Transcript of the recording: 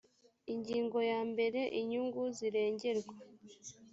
ingingo ya mbere inyungu zirengerwa